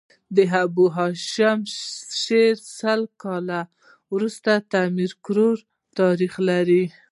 د ابو محمد هاشم شعر سل کاله وروسته تر امیر کروړ تاريخ لري.